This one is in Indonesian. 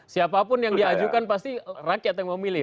siapapun yang diajukan pasti rakyat yang mau milih